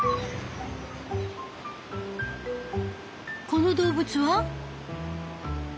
この動物は？